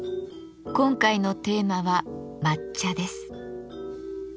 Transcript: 今回のテーマは「抹茶」です。